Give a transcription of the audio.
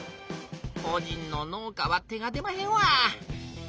こじんの農家は手が出まへんわ。